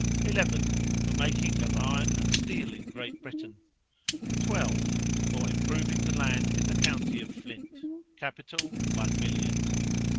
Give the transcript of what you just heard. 11. For making of iron and steel in Great Britain, 12. For improving the land in the county of Flint. Capital, one million.